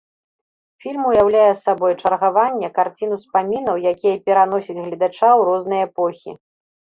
Фільм уяўляе сабой чаргаванне карцін-успамінаў, якія пераносяць гледача ў розныя эпохі.